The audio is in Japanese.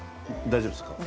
大丈夫です。